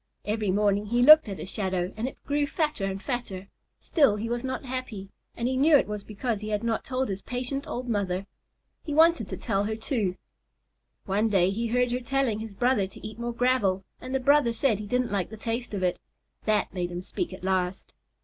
Every morning he looked at his shadow, and it grew fatter and fatter. Still he was not happy, and he knew it was because he had not told his patient old mother. He wanted to tell her, too. One day he heard her telling his brother to eat more gravel, and the brother said he didn't like the taste of it. That made him speak at last.